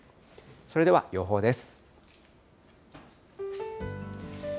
それでは予報です。